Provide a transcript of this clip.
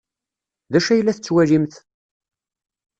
D acu ay la tettwalimt?